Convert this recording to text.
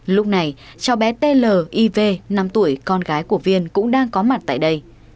lúc này cháu bé t l y v năm tuổi con gái của viên cũng đang có mặt tại đây